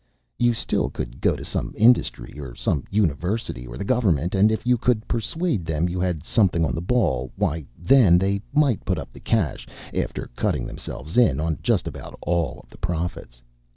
You still could go to some industry or some university or the government and if you could persuade them you had something on the ball why, then, they might put up the cash after cutting themselves in on just about all of the profits.